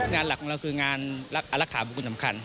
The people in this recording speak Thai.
งานหลักของเราคืองานอรักษาบุคคลสำคัญ